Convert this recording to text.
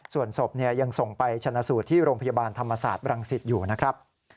ส่วนศพยังส่งไปชนะสูตรที่โรงพยาบาลธรรมศาสตร์บรังสิตอยู่นะครับ